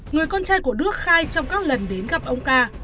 người con trai của đức khai trong các lần đến gặp ông ca